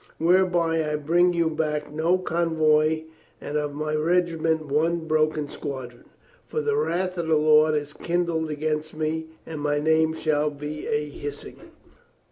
Whereby I bring you back no convoy and of my regiment one broken squadron. For the wrath of the Lord is kindled against me and my name shall be a hissing."